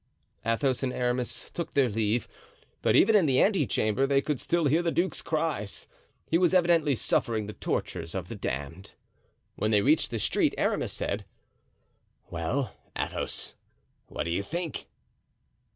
Athos and Aramis took their leave, but even in the ante chamber they could still hear the duke's cries; he was evidently suffering the tortures of the damned. When they reached the street, Aramis said: "Well, Athos, what do you think?"